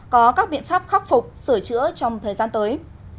có các biện pháp khắc phục sửa chữa trong thời gian tới